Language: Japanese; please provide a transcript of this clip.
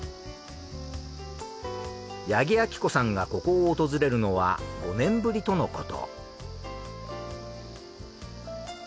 八木亜希子さんがここを訪れるのは５年ぶりとのこと。